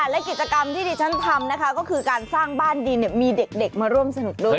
และกิจกรรมที่ดิฉันทำนะคะก็คือการสร้างบ้านดินมีเด็กมาร่วมสนุกด้วย